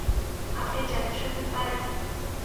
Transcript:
আপনি জাতীয় সংগীত পারেন?